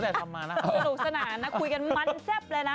คุยกันมันแซ่บเลยนะ